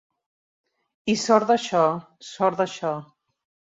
I sort d'això, sort d'això!